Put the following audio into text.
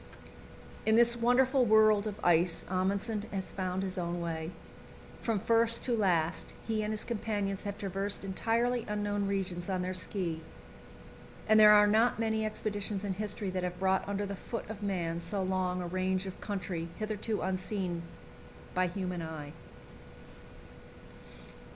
In this wonderful world of ice Amundsen has found his own way. From first to last he and his companions have traversed entirely unknown regions on their ski, and there are not many expeditions in history that have brought under the foot of man so long a range of country hitherto unseen by human eye.